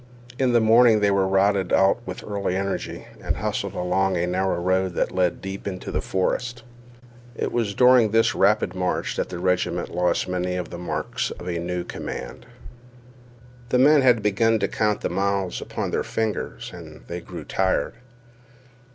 In the morning they were routed out with early energy, and hustled along a narrow road that led deep into the forest. It was during this rapid march that the regiment lost many of the marks of a new command. The men had begun to count the miles upon their fingers, and they grew tired.